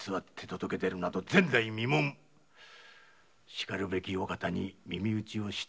しかるべきお方に耳打ちした。